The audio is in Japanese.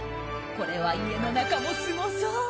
これは、家の中もすごそう！